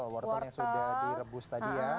wortem yang sudah direbus tadi ya